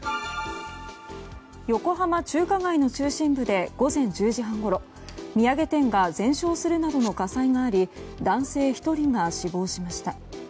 横浜中華街の中心部で午前１０時半ごろ土産店が全焼するなどの火災があり男性１人が死亡しました。